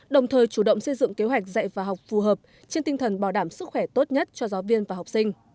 đồng thời chủ động xây dựng kế hoạch dạy và học phù hợp trên tinh thần bảo đảm sức khỏe tốt nhất cho giáo viên và học sinh